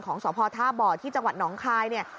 สพท่าบ่อที่จังหวัดหนองคายเนี่ย